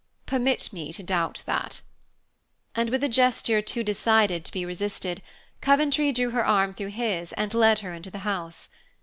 "Permit me to doubt that." And with a gesture too decided to be resisted, Coventry drew her arm through his and led her into the house.